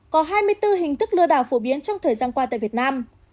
có hai mươi bốn hình thức lừa đảo phổ biến trong thời gian qua tại việt nam